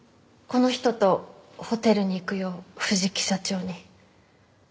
この人とホテルに行くよう藤木社長に。